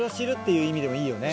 いいよね。